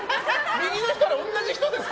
右の人同じ人ですか？